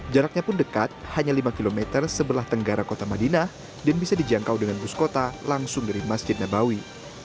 jaraknya pun dekat hanya lima km sebelah tenggara kota madinah dan bisa dijangkau dengan bus kota langsung dari masjid nabawi